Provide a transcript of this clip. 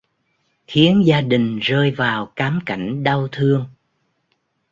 Khiến gia đình rơi vào cám cảnh đau thương